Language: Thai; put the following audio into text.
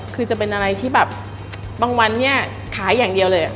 คือจะเป็นอะไรที่แบบบางวันเนี่ยขายอย่างเดียวเลย